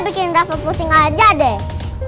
bikin novel puting aja deh